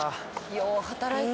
よう働いた。